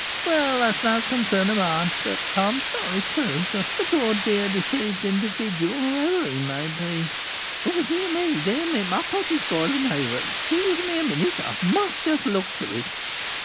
Well, that is no concern of mine, but I am sorry, too, for the poor, dear, deceived individual, whoever he may be. Dear me! Dear me! My pot is boiling over, excuse me a minute, I must just look to it.